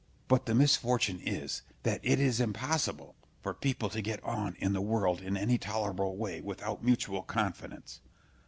But the misfortune is, that it is impossible for people to get on in the world in any tolerable way without mutual confidence.